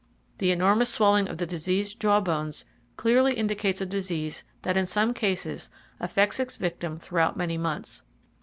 The enormous swelling of the diseased jaw bones clearly indicates a disease that in some cases affects its victim throughout many months.